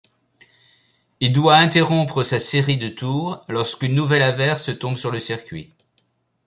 Il doit interrompre sa série de tours lorsqu'une nouvelle averse tombe sur le circuit.